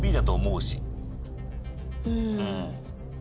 うん。